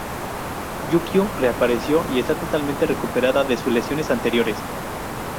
Yukio reapareció y estaba totalmente recuperada de sus lesiones anteriores.